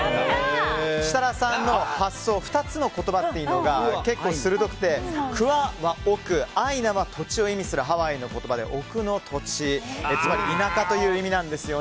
設楽さんの発想２つの言葉というのが結構鋭くて、ＫＵＡは奥‘ＡＩＮＡは土地を意味するハワイの言葉で奥の土地、つまり田舎という意味なんです。